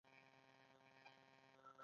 ولسمشر د حکومت چارې پرمخ وړي.